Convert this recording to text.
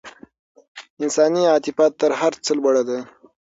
انساني عاطفه تر هر څه لوړه ده.